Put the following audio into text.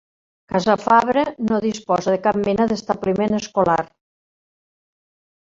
Casafabre no disposa de cap mena d'establiment escolar.